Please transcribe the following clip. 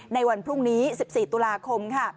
ในวันพรุ่งนี้๑๔ตุลาคมค่ะ